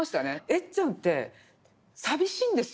エッちゃんって寂しいんですよ。